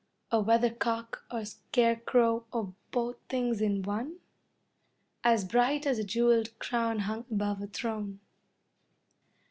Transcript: A weathercock or scarecrow or both things in one? As bright as a jewelled crown hung above a throne.